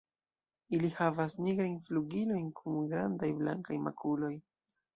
Ili havas nigrajn flugilojn kun grandaj blankaj makuloj.